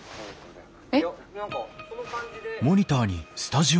えっ。